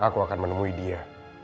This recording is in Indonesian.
aku akan menemui dia